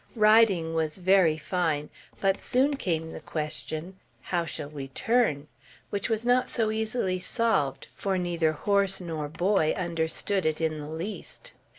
Riding was very fine; but soon came the question, "How shall we turn?" which was not so easily solved, for neither horse nor boy understood it in the least.